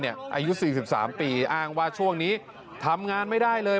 อายุ๔๓ปีอ้างว่าช่วงนี้ทำงานไม่ได้เลย